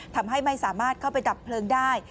ทำให้ไม่สามารถเข้าไปดับเพลิงได้